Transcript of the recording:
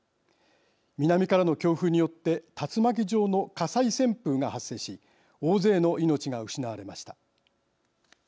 南からの強風によって竜巻状の火災旋風が発生し大勢の命が失われました。